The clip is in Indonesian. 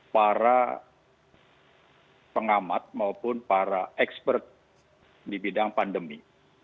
para pengamat maupun para ekspert di bidang pandemi